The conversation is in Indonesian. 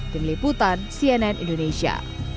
tim liputan cnn indonesia